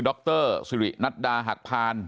รสิรินัดดาหักพาน